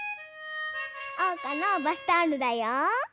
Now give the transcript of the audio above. おうかのバスタオルだよ。